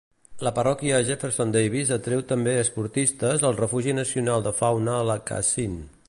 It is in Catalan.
La parròquia Jefferson Davis atreu també esportistes al Refugi Nacional de Fauna Lacassine.